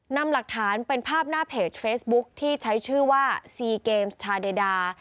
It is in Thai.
นำหลักฐานเป็นภาพหน้าเพจเฟซบุ๊คที่ใช้ชื่อว่าซีเกมส์ชาเดดา